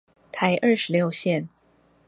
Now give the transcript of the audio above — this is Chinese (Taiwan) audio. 台二十六線